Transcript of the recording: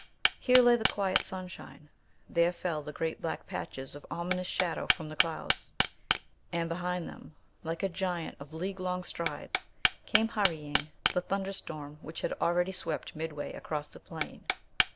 Here lay the quiet sunshine; there fell the great black patches of ominous shadow from the clouds; and behind them, like a giant of league long strides, came hurrying the thunderstorm, which had already swept midway across the plain.